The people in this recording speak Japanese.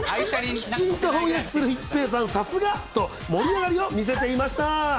きちんと翻訳する一平さん、さすがビット、さすが！と、盛り上がりを見せていました。